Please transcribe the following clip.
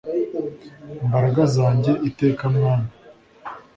mbaraga zanjye iteka mwami